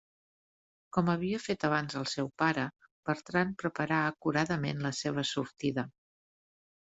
Com havia fet abans el seu pare, Bertran preparà acuradament la seva sortida.